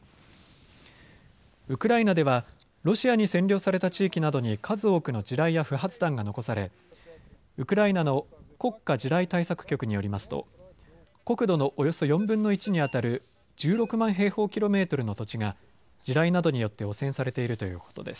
ウクライナではロシアに占領された地域などに数多くの地雷や不発弾が残されウクライナの国家地雷対策局によりますと国土のおよそ４分の１にあたる１６万平方キロメートルの土地が地雷などによって汚染されているということです。